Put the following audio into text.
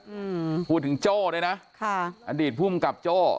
อืมพูดถึงโจ้ด้วยนะค่ะอดีตภูมิกับโจ้